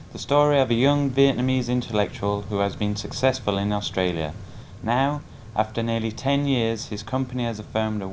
hay còn gọi là mắc phạm